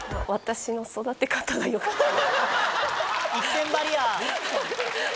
一点張りや。